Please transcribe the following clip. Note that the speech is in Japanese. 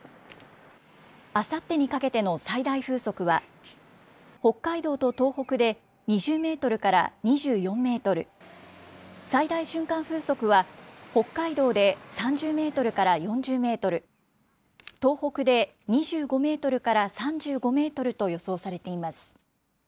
あさってにかけての最大風速は、北海道と東北で２０メートルから２４メートル、最大瞬間風速は、北海道で３０メートルから４０メートル、東北で２５メートルから３５メートルと予想されています。